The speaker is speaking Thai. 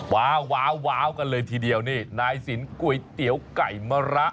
ว้าวกันเลยทีเดียวนี่นายสินก๋วยเตี๋ยวไก่มะระ